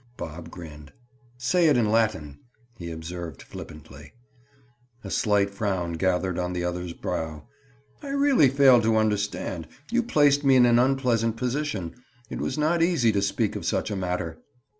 Bob grinned. "Say it in Latin," he observed flippantly. A slight frown gathered on the other's brow. "I really fail to understand. You placed me in an unpleasant position. It was not easy to speak of such a matter."